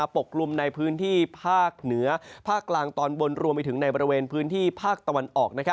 ไปถึงในบริเวณพื้นที่ภาคตะวันออก